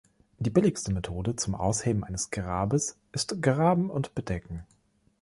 Die billigste Methode zum Ausheben eines Grabens ist Graben und Bedecken.